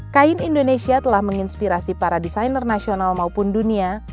kain indonesia telah menginspirasi para desainer nasional maupun dunia